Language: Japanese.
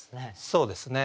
そうですね。